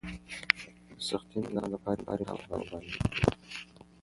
سختۍ مې د ځان لپاره امتحان وباله.